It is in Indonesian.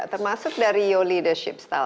termasuk dari you leadership style